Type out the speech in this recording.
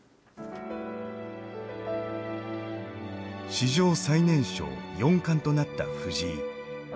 史上最年少四冠となった藤井。